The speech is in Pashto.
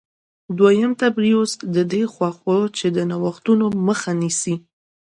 دویم تبریوس په دې خوښ و چې د نوښتونو مخه نیسي